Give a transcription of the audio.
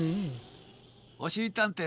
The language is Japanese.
おしりたんていさん。